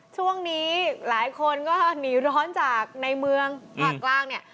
ช่วงนี้หลายคนก็หนีร้อนจากในเมืองภาคกลางเนี่ย